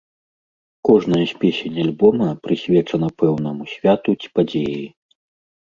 Кожная з песень альбома прысвечана пэўнаму святу ці падзеі.